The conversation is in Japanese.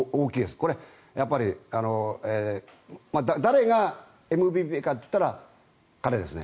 これは誰がＭＶＰかといったら彼ですね。